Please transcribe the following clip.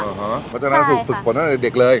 วัดลำพยาถูกฝึกผลตั้งแต่เด็กเลย